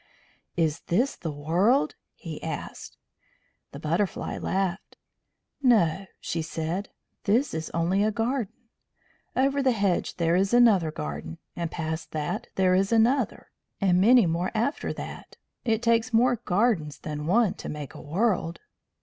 "Is this the world?" he asked. The Butterfly laughed. "No," she said; "this is only a garden. Over the hedge there is another garden, and past that there is another, and many more after that. It takes more gardens than one to make a world."